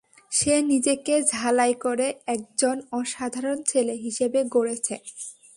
সে নিজেকে ঝালাই করে একজন অসাধারণ ছেলে হিসেবে গড়েছে।